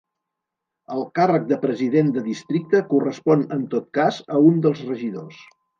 El càrrec de president de districte correspon en tot cas a un dels regidors.